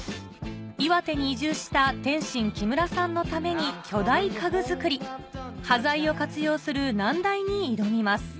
岩手に移住した天津・木村さんのために巨大家具造り端材を活用する難題に挑みます